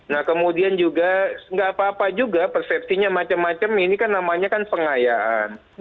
nah kemudian juga nggak apa apa juga persepsinya macam macam ini kan namanya kan pengayaan